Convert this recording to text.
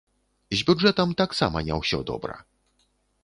З бюджэтам таксама не ўсё добра.